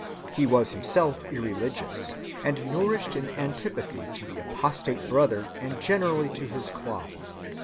He was himself irreligious, and nourished an antipathy to the apostate brother and generally to his "cloth."